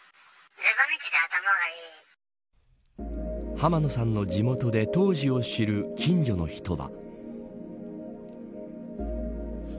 濱野さんの地元で当時を知る近所の人は。